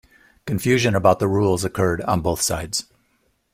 Confusion about the rules occurred on both sides.